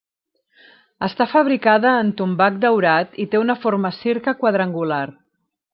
Està fabricada en tombac daurat i té una forma circa quadrangular.